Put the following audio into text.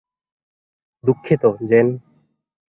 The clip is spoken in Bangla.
দুঃখিত, জেন।